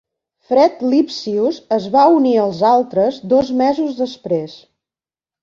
Fred Lipsius es va unir als altres, dos mesos després.